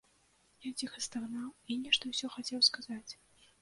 Ён ціха стагнаў і нешта ўсё хацеў сказаць.